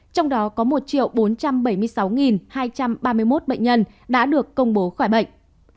trong đó có một bốn trăm bảy mươi sáu hai trăm ba mươi một bệnh nhân đã được công bố khỏi bệnh